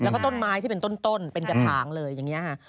แล้วก็ต้นไม้ที่เป็นต้นเป็นกระถางเลยอย่างนี้ค่ะ